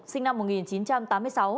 sinh năm một nghìn chín trăm tám mươi sáu